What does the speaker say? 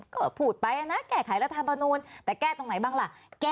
ก็พูดไปนะแก้ไขรัฐธรรมนูลแต่แก้ตรงไหนบ้างล่ะ